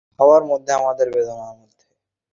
হাওয়ার মধ্যে, আমার বেদনার মধ্যে।